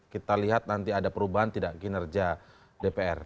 kita lihat nanti ada perubahan tidak kinerja dpr